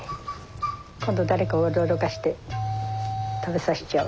今度誰か驚かせて食べさせちゃおう。